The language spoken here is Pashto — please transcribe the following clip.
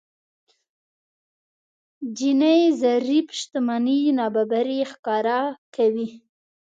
جيني ضريب شتمنۍ نابرابري ښکاره کوي.